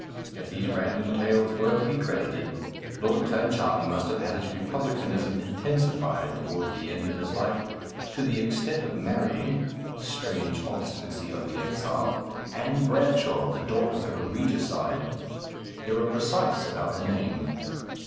If these random tales were to be credited, Lord Clancharlie must have had his republicanism intensified towards the end of his life, to the extent of marrying (strange obstinacy of the exile!) Ann Bradshaw, the daughter of a regicide; they were precise about the name.